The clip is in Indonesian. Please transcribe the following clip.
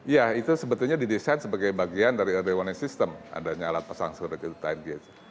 ya itu sebetulnya didesain sebagai bagian dari early warning system adanya alat pasang surut time gadge